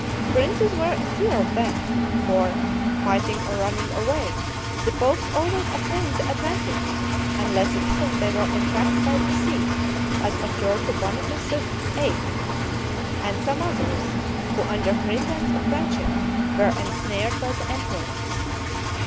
Princes were in fear of them; for, fighting or running away, the popes always obtained the advantage, unless it happened they were entrapped by deceit, as occurred to Boniface VIII., and some others, who under pretense of friendship, were ensnared by the emperors.